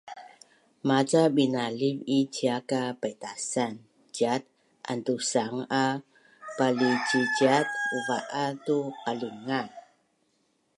Maca binaliv i cia ka paitasan ciat Antusang a palciciat uvava’az tu qalinga